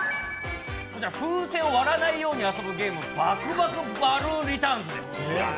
風船を割らないように遊ぶゲーム「爆爆バルーンリターンズ」です。